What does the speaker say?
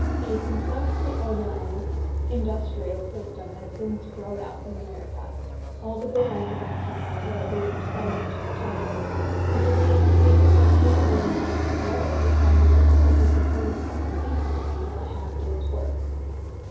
A complexly organized industrial system has since grown up in America, all the good land is occupied, or at least fenced with titles, and to day even so capable a man as 13ioreau would find it difficult to support himself in decency lAith a half day's work.